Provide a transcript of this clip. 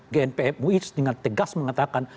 gnpf mui itu dengan tegas mengatakan